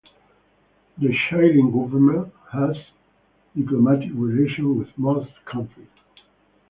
The Chilean Government has diplomatic relations with most countries.